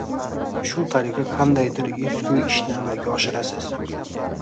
Shu tariqa qandaydir ezgu ishni amalga oshirasiz